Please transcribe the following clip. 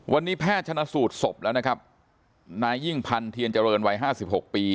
วันนี้แพทย์ชนะสูตรศพแล้วนะครับนายยิ่งพันธ์เทียนเจริญวัยห้าสิบหกปี